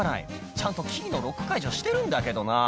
「ちゃんとキーのロック解除してるんだけどな」